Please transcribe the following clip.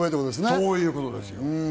そういうことですよ。